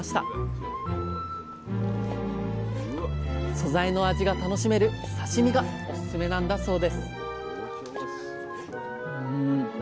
素材の味が楽しめる刺身がおすすめなんだそうです